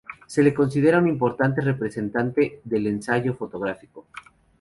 Se le considera un importante representante del "ensayo fotográfico".